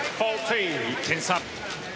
１点差。